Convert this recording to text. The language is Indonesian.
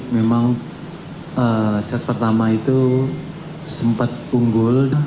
memang set pertama itu sempat unggul